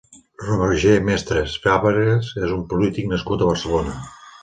Roger Mestre Fàbregas és un polític nascut a Barcelona.